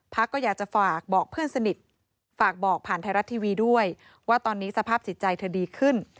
ก็อยากจะฝากบอกเพื่อนสนิทฝากบอกผ่านไทยรัฐทีวีด้วยว่าตอนนี้สภาพจิตใจเธอดีขึ้น